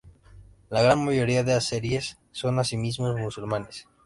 La gran mayoría de azeríes son asimismo musulmanes.